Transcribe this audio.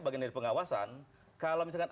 bagian dari pengawasan kalau misalkan